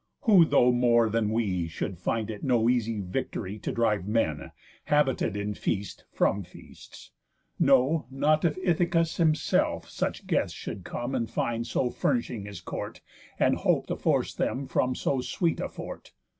Who, though more than we, Should find it is no easy victory To drive men, habited in feast, from feasts, No not if Ithacus himself such guests Should come and find so furnishing his Court, And hope to force them from so sweet a fort.